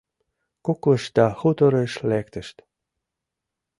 Куклышт да хуторыш лектышт.